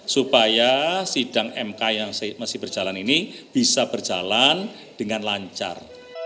supaya sidang mk yang masih berjalan ini bisa berjalan dengan lancar